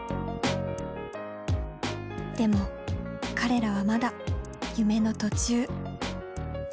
でも彼らはまだ夢の途中。